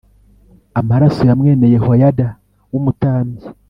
amaraso ya mwene Yehoyada w umutambyi